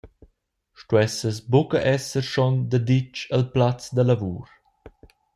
Stuesses buca esser schon daditg al plaz da lavur?